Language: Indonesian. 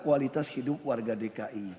kualitas hidup warga dki